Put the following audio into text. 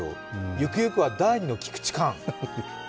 ゆくゆくは第２の菊池寛。